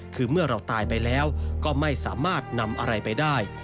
คือเมื่อเราตายไปแล้วก็ไม่สามารถนำอะไรไปได้